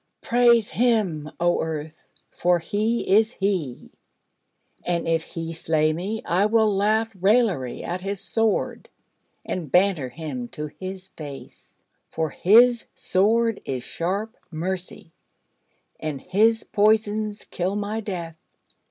praise Him, O Earth, for He is He: and if He slay me, I will laugh raillery at His Sword, and banter Him to His face: for His Sword is sharp Mercy, and His poisons kill my death.